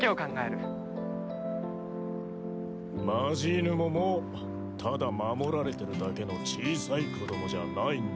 マジーヌももうただ守られてるだけの小さい子供じゃないんですわよ。